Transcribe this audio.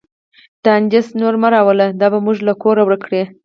دا نجس نور مه راولئ، دا به موږ له کوره ورک کړي.